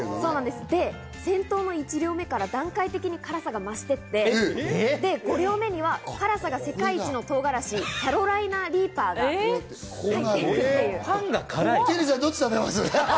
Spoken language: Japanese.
で、先頭の１両目から段階的に辛さが増していって、５両目には辛さが世界一の唐辛子、キャロライナ・リーパーが入っているという。